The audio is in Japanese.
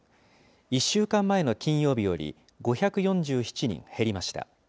１週間前の金曜日より、５４７人減りました。